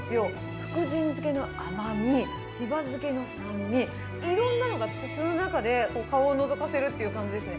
福神漬けの甘み、しば漬けの酸味、いろんなのが口の中で顔をのぞかせるって感じですね。